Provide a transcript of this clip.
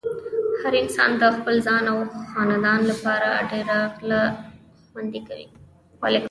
هر انسان د خپل ځان او خاندان لپاره ډېره غله خوندې کوي۔